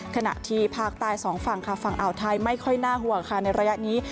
ขณะที่ภาคใต้สองฝั่งค่ะฝั่งอ่าวไทยไม่ค่อยน่าห่วงค่ะในระยะนี้